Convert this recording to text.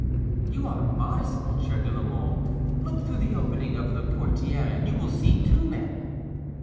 You are modest, Monsieur de la Mole. Look through the opening of the portière and you will see two men."